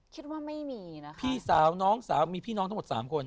คิดว่าไม่มีนะคะพี่สาวน้องสาวมีพี่น้องทั้งหมดสามคน